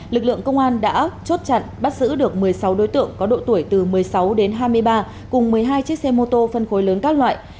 lực lượng công an đã chốt chặn bắt giữ được một mươi sáu đối tượng có độ tuổi từ một mươi sáu đến hai mươi ba cùng một mươi hai chiếc xe mô tô phân khối lớn các loại